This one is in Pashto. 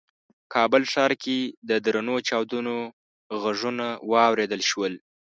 کابل ښار کې د درنو چاودنو غږونه واورېدل شول.